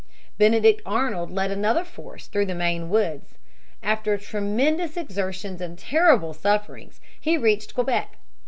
Benedict Arnold led another force through the Maine woods. After tremendous exertions and terrible sufferings he reached Quebec.